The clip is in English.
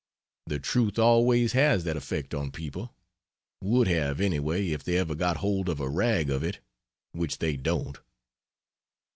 The truth always has that effect on people. Would have, anyway, if they ever got hold of a rag of it Which they don't.